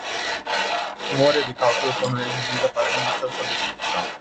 elaboração de memória de cálculo, quando exigida para instauração da execução